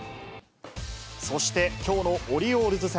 そして、きょうのオリオールズ戦。